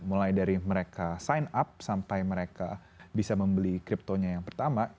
mulai dari mereka sign up sampai mereka bisa membeli kriptonya yang pertama